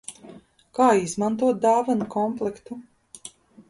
Kā izmantot dāvanu komplektu?